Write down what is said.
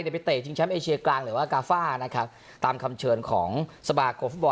เดี๋ยวไปเตะชิงแชมป์เอเชียกลางหรือว่ากาฟ่านะครับตามคำเชิญของสมาคมฟุตบอล